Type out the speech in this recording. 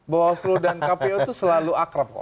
bawaslu dan kpu itu selalu akrab kok